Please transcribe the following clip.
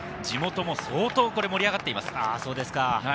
地元も相当盛り上がっています。